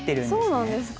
そうなんですか。